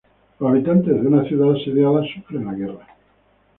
Los habitantes de una ciudad asediada sufren la guerra.